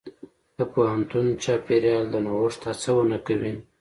د پوهنتون چاپېریال د نوښت هڅونه کوي.